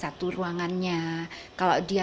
satu ruangannya kalau dia